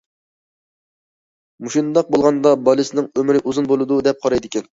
مۇشۇنداق بولغاندا بالىسىنىڭ ئۆمرى ئۇزۇن بولىدۇ دەپ قارايدىكەن.